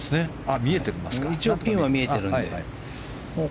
一応ピンは見えているので。